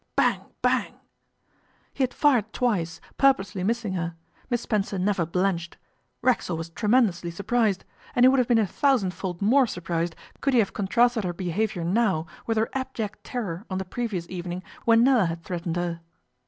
Bang, bang! He had fired twice, purposely missing her. Miss Spencer never blenched. Racksole was tremendously surprised and he would have been a thousandfold more surprised could he have contrasted her behaviour now with her abject terror on the previous evening when Nella had threatened her.